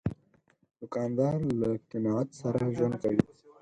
دوکاندار له قناعت سره ژوند کوي.